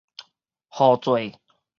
號做